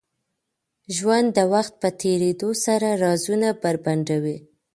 ژوند د وخت په تېرېدو سره رازونه بربنډوي.